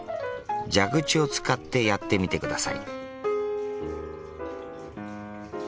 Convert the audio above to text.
蛇口を使ってやってみてください。